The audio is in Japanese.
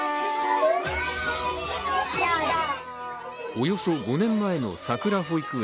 およそ５年前のさくら保育園。